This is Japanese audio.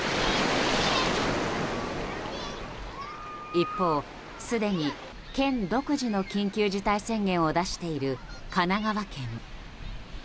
一方、すでに県独自の緊急事態宣言を出している神奈川県。